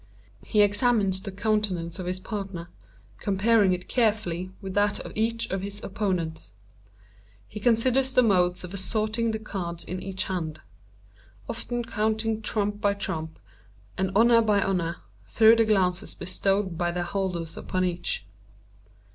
He examines the countenance of his partner, comparing it carefully with that of each of his opponents. He considers the mode of assorting the cards in each hand; often counting trump by trump, and honor by honor, through the glances bestowed by their holders upon each.